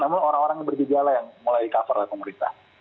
namun orang orang yang bergejala yang mulai di cover oleh pemerintah